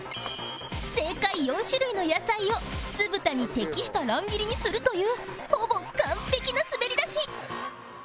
正解４種類の野菜を酢豚に適した乱切りにするというほぼ完璧な滑り出し